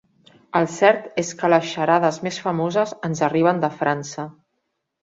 El cert és que les xarades més famoses ens arriben de França.